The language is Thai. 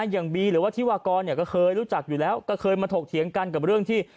อย่างบีหรือว่าธิวากรก็เคยรู้จักอยู่แล้วก็เคยมาถกเถียงกันกับเรื่องที่